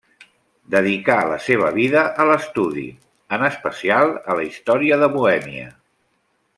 Dedicà la seva vida a l'estudi, en especial a la història de Bohèmia.